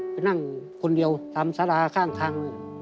ไปนั่งคนเดียวตามสาราข้างทาง